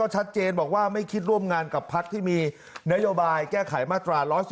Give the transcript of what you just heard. ชัดเจนบอกว่าไม่คิดร่วมงานกับพักที่มีนโยบายแก้ไขมาตรา๑๑๒